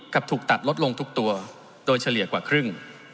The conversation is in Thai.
ถูกตัดลดลงทุกตัวโดยเฉลี่ยกว่าครึ่ง